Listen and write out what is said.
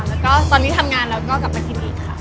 แล้วก็ตอนนี้ทำงานแล้วก็กลับมากินอีกค่ะ